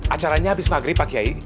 acaranya habis maghrib pak kiai